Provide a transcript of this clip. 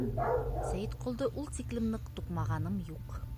Сәйетҡолдо ул тиклем ныҡ туҡмағаным юҡ.